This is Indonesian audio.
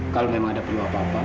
kalau memang ada perlu apa apa